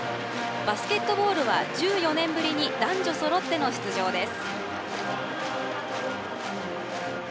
バスケットボールは１４年ぶりに男女そろっての出場です。